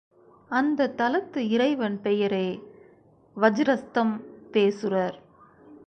அந்தத் தலத்து இறைவன் பெயரே வஜ்ரஸ்தம்பேசுரர்.